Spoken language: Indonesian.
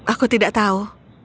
aku tidak tahu